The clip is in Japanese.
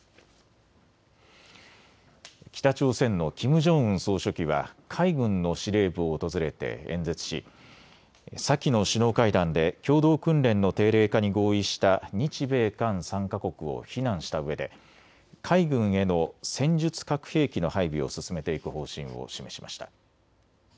北朝鮮のキム・ジョンウン総書記は海軍の司令部を訪れて演説し先の首脳会談で共同訓練の定例化に合意した日米韓３か国を非難したうえで海軍への戦術核兵器の配備を進めていく方針を示しました。